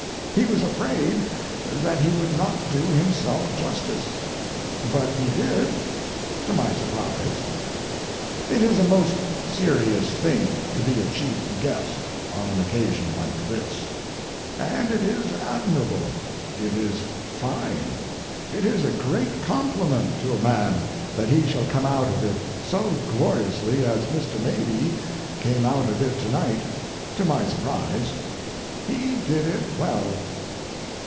He was afraid that he would not do himself justice; but he did—to my surprise. It is a most serious thing to be a chief guest on an occasion like this, and it is admirable, it is fine. It is a great compliment to a man that he shall come out of it so gloriously as Mr. Mabie came out of it tonight—to my surprise. He did it well.